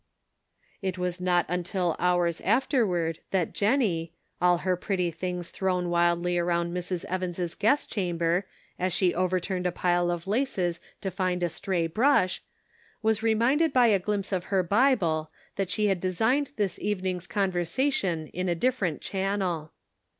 It was not until hours afterward that Jennie, all her pretty things thrown wildly around Mrs. Evans' guest chamber, as she overturned a pile of laces to find a stray brush, was re minded by a glimpse of her Bible that she had designed this evening's conversation in a different channel.